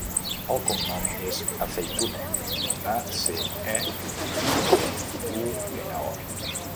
El cognom és Aceituno: a, ce, e, i, te, u, ena, o.